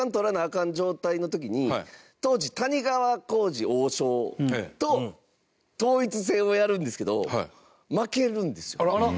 カン状態の時に当時、谷川浩司王将と統一戦をやるんですけど負けるんですよ。